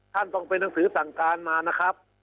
ท่านต้องเป็นหนังสือสั่งการมานะครับ